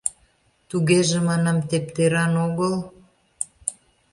— Тугеже, манам, тептеран огыл.